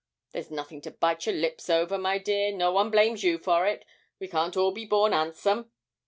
There's nothing to bite your lips over, my dear; no one blames you for it, we can't be all born 'andsome.